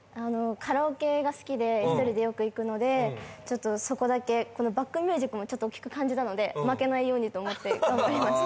カラオケが好きで１人でよく行くのでそこだけこのバックミュージックも大きく感じたので負けないようにと思って頑張りました